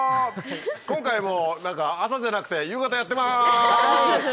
今回も何か朝じゃなくて夕方やってます！